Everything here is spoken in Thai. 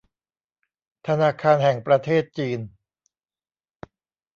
ธนาคารแห่งประเทศจีน